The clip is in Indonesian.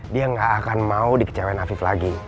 dia gak akan mau di kecewain afif lagi